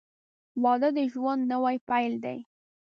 • واده د ژوند نوی پیل دی.